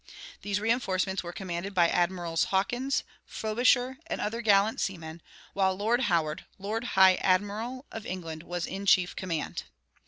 These reinforcements were commanded by Admirals Hawkins, Frobisher, and other gallant seamen; while Lord Howard, lord high admiral of England, was in chief command.